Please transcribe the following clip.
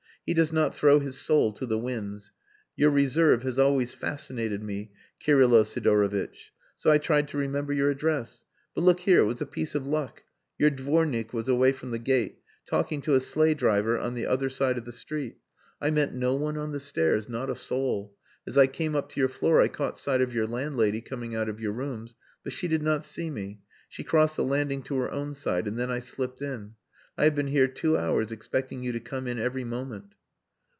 'He does not throw his soul to the winds.' Your reserve has always fascinated me, Kirylo Sidorovitch. So I tried to remember your address. But look here it was a piece of luck. Your dvornik was away from the gate talking to a sleigh driver on the other side of the street. I met no one on the stairs, not a soul. As I came up to your floor I caught sight of your landlady coming out of your rooms. But she did not see me. She crossed the landing to her own side, and then I slipped in. I have been here two hours expecting you to come in every moment."